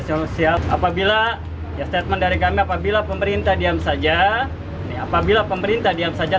sosial apabila ya statement dari kami apabila pemerintah diam saja apabila pemerintah diam saja